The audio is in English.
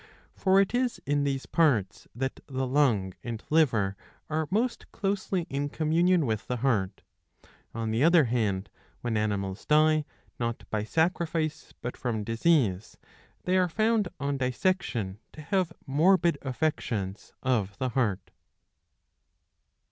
For it is in these parts that the lung and liver are most closely in communion with the heart. On the other hand when animals die not by sacrifice but from disease, they are found on dissection to have morbid affections of the heart.